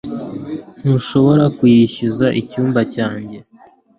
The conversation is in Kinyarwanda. ntushobora kuyishyuza icyumba cyanjye